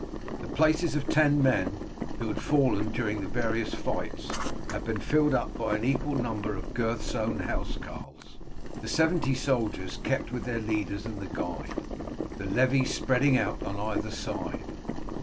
The places of ten men who had fallen during the various fights had been filled up by an equal number of Gurth's own housecarls. The seventy soldiers kept with their leaders and the guide, the levies spreading out on either side.